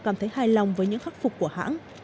cảm thấy hài lòng với những khắc phục của hãng